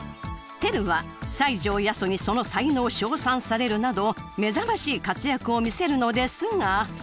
テルは西條八十にその才能を称賛されるなど目覚ましい活躍を見せるのですが。